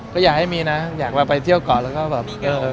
ก็อยากให้มีนะอยากไปเที่ยวก่อนแล้วก็แบบเออ